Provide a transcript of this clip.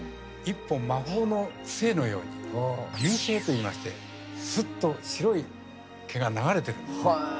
一本魔法の杖のように「流星」といいましてスッと白い毛が流れてるんですね。